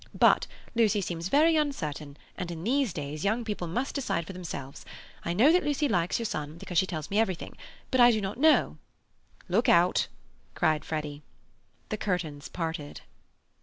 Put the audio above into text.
But Lucy seems very uncertain, and in these days young people must decide for themselves. I know that Lucy likes your son, because she tells me everything. But I do not know—'" "Look out!" cried Freddy. The curtains parted.